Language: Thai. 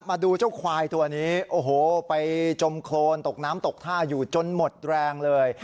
มาดูเจ้าควายตัวนี้โอ้โหไปจมโครนตกน้ำตกท่าอยู่จนหมดแรงเลย